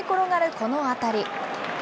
この当たり。